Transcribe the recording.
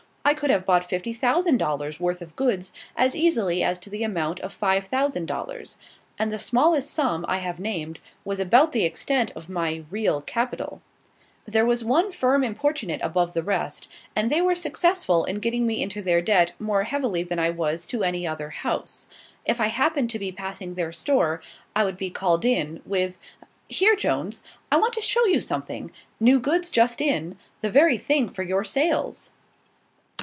I could have bought fifty thousand dollars' worth of goods as easily as to the amount of five thousand dollars; and the smallest sum I have named was about the extent of my real capital. There was one firm importunate above the rest, and they were successful in getting me into their debt more heavily than I was to any other house. If I happened to be passing their store, I would be called in, with "Here, Jones, I want to show you something. New goods just in; the very thing for your sales."